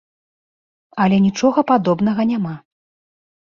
Але нічога падобнага няма.